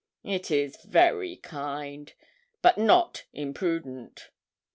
It is very kind, but not imprudent.'